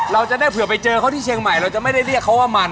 เราจะได้เผื่อไปเจอเขาที่เชียงใหม่เราจะไม่ได้เรียกเขาว่ามัน